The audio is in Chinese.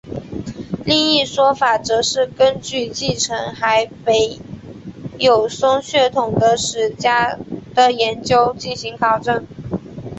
而另一说法则是根据继承海北友松血统的史家的研究进行考证。